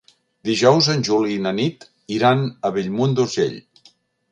Dijous en Juli i na Nit iran a Bellmunt d'Urgell.